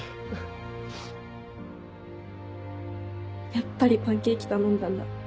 やっぱりパンケーキ頼んだんだ。